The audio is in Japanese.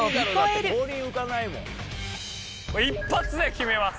一発で決めます！